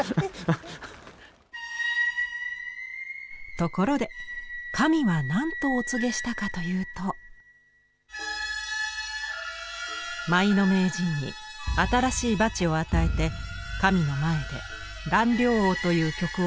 ところで神は何とお告げしたかというと「舞の名人に新しいバチを与えて神の前で『蘭陵王』という曲を舞わせなさい」。